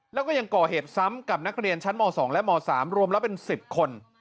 แล้วก็ยังก่อเหตุซ้ำกับนักเรียนชั้นม๒และม๓รวมแล้วเป็น๑๐คน